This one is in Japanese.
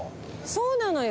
そうなのよ。